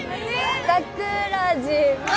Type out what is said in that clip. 桜島！